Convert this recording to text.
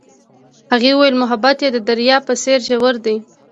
هغې وویل محبت یې د دریا په څېر ژور دی.